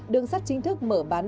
đường sắt chính thức mở bán